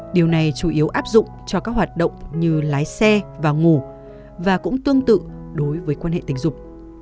điều này chủ yếu áp dụng cho các hoạt động như lái xe và ngủ và cũng tương tự đối với quan hệ tình dục